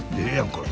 これ